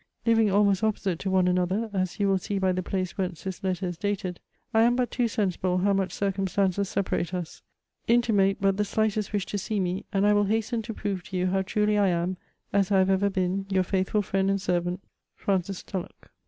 Living almost opposite to one another (as you will see by the place whence this letter is dated,) I am but too sensible, how much circumstances separate us. Intimate but the slightest wish to see me, and I will hasten to prove to you how truly I am, as I have ever been, your faithiiil friend and servant, Fran. Tulloch.